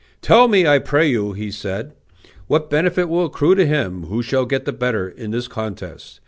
"Tell me, I pray you," he said, "what benefit will accrue to him who shall get the better in this contest?